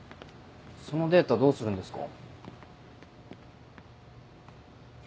そのデータどうするんですか？